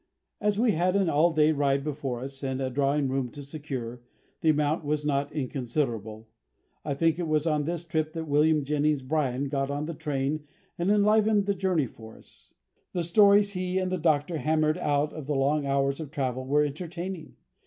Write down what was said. As we had an all day ride before us and a drawing room to secure, the amount was not inconsiderable. I think it was on this trip that William Jennings Bryan got on the train and enlivened the journey for us. The stories he and the Doctor hammered out of the long hours of travel were entertaining.